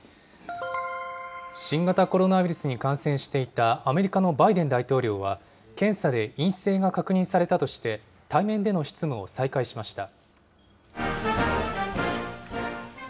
新型コロナウイルスに感染していたアメリカのバイデン大統領は、検査で陰性が確認されたとして、対面での執務を再開しました。